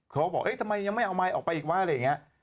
เขาบอกเอ๊ะทำไมยังไม่เอาไมค์ออกไปอีกวะอะไรอย่างนี้